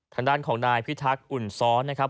ทางด้านของนายพิทักษ์อุ่นซ้อนนะครับ